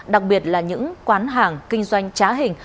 đặc biệt là những quán hàng kinh doanh trá hình